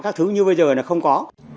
các thứ như bây giờ là không có